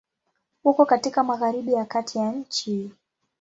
Uko katika Magharibi ya Kati ya nchi.